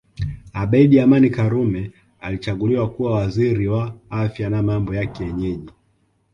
Abeid Amani Karume alichaguliwa kuwa Waziri wa Afya na Mambo ya Kienyeji